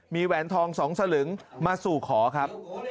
มีแหวนทอง๒สลึงมาสู่ขอครับ